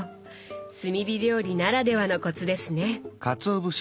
炭火料理ならではのコツですね。